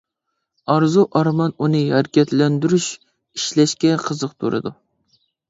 ئارزۇ ئارمان ئۇنى ھەرىكەتلەندۈرۈپ، ئىشلەشكە قىزىقتۇرىدۇ.